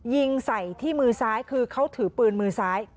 ยิงใส่ที่มือซ้ายคือเขาถือปืนมือซ้าย